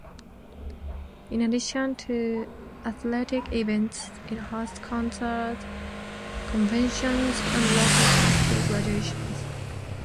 In addition to athletic events, it hosts concerts, conventions, and local high school graduations.